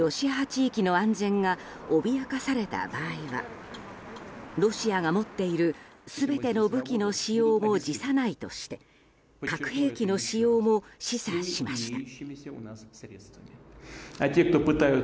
地域の安全が脅かされた場合はロシアが持っている全ての武器の使用も辞さないとして核兵器の使用も示唆しました。